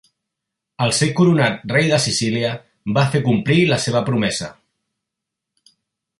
Al ser coronat rei de Sicília, va fer complir la seva promesa.